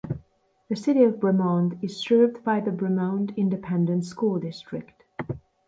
The City of Bremond is served by the Bremond Independent School District.